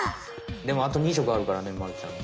でもあと２色あるからねまるちゃん。